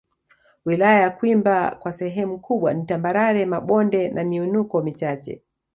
Wilaya ya Kwimba kwa sehemu kubwa ni tambarare mabonde na miinuko michache